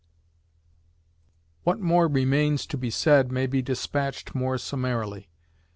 What more remains to be said may be despatched more summarily.